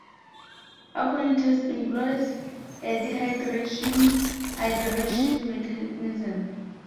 Aconitase employs a dehydration-hydration mechanism.